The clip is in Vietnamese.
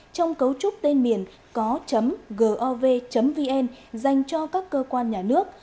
trong cấu trúc tên miền có gov vn dành cho các cơ quan nhà nước